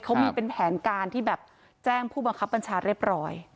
เขามีเป็นแผนการที่แบบแจ้งผู้บังคับบัญชาเรียบร้อย